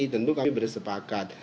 tentu kami bersepakat